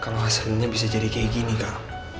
kalau hasilnya bisa jadi kayak gini kak